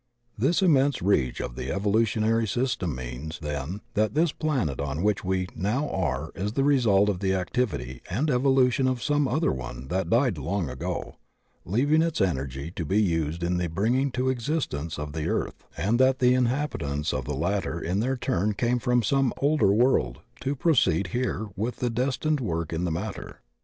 This immense reach of the evolutionary system means, then, that this planet on which we now are is the result of the activity and the evolution of some other one that died long ago, leaving its energy to be used in the bringing into exis tence of the earth, and that the inhabitants of the latter in their turn came from some older world to proceed here with the destined work in matter.